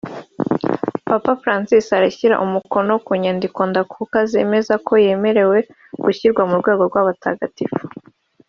Papa Francis arashyira umukono ku nyandiko ndakuka yemeza ko yemerewe gushyirwa mu rwego rw’abatagatifu